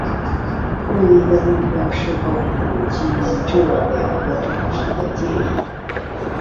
会议的目标是巩固基于这两个主题的建议。